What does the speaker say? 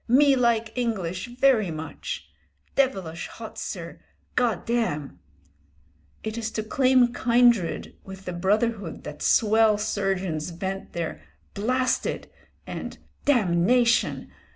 Me like English very much. Devilish hot, sir! Goddam!" It is to claim kindred with the brotherhood that swell surgeons vent their "blasted!" and "damnation!"